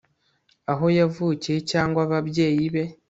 aho yavukiye cyangwa ababyeyi be